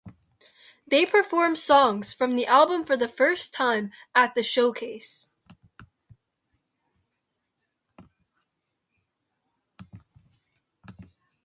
They performed songs from the album for the first time at the showcase.